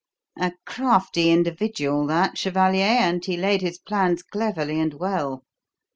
A crafty individual that, chevalier, and he laid his plans cleverly and well.